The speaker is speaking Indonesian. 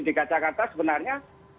dgk jakarta sebenarnya